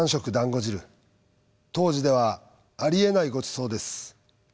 当時ではありえないごちそうです。